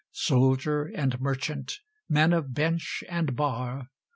Soldier and merchant, men of bench and bar.